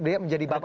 dia menjadi bangsa